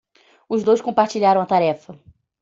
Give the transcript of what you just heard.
Os dois compartilharam a tarefa.